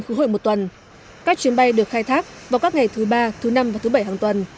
khứ hội một tuần các chuyến bay được khai thác vào các ngày thứ ba thứ năm và thứ bảy hàng tuần